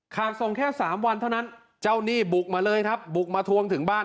ส่งแค่๓วันเท่านั้นเจ้าหนี้บุกมาเลยครับบุกมาทวงถึงบ้าน